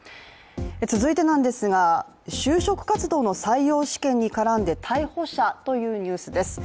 続いてですが、就職活動の採用試験に絡んで逮捕者というニュースです。